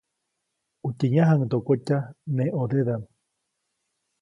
ʼUtye yãjkyajaŋdokotya neʼ ʼõdedaʼm.